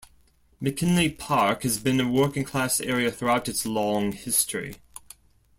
McKinley Park has been a working-class area throughout its long history.